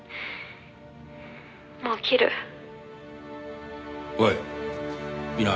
「もう切る」おいミナ？